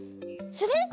する？